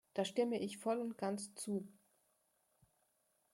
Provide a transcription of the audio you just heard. Da stimme ich voll und ganz zu.